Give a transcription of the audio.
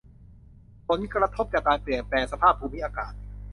ผลกระทบจากการเปลี่ยนแปลงสภาพภูมิอากาศ